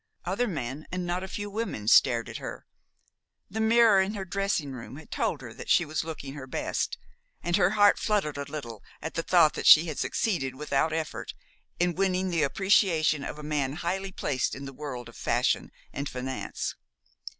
Other men, and not a few women, stared at her. The mirror in her dressing room had told her that she was looking her best, and her heart fluttered a little at the thought that she had succeeded, without effort, in winning the appreciation of a man highly placed in the world of fashion and finance.